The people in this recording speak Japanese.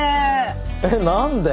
えっ何で？